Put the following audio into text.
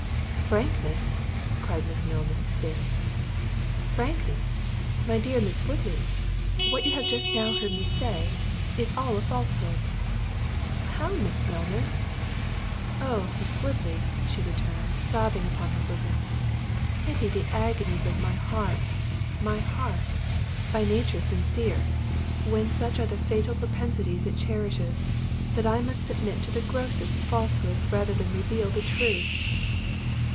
"Frankness!" cried Miss Milner, starting. "Frankness, my dear Miss Woodley! What you have just now heard me say, is all a falsehood." "How, Miss Milner!" "Oh, Miss Woodley," returned she, sobbing upon her bosom, "pity the agonies of my heart, my heart, by nature sincere, when such are the fatal propensities it cherishes, that I must submit to the grossest falsehoods rather than reveal the truth."